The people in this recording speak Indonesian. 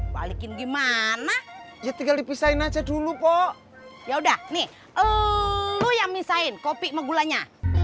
balikin gimana ya tinggal dipisahin aja dulu pok ya udah nih lu yang misahin kopi menggulanya